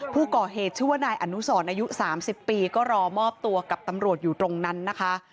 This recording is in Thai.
ผู้ก่อเหตุชื่อว่านายอนุสรอายุ๓๐ปีก็รอมอบตัวกับตำรวจอยู่ตรงนั้นนะคะ